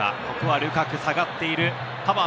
ここはルカク下がっている。